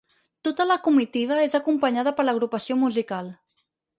Tota la comitiva és acompanyada per l'Agrupació Musical.